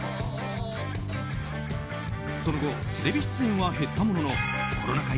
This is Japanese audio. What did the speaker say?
その後テレビ出演は減ったもののコロナ禍